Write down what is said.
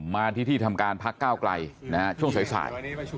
มาที่ที่ทำการพักก้าวไกลช่วงสาย